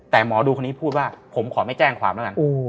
แต่หมอดูคนนี้พูดว่าผมขอไม่แจ้งความแล้วกัน